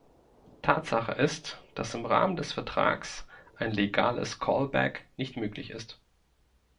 Tatsache ist, dass im Rahmen des Vertrags ein legales "Callback" nicht möglich ist.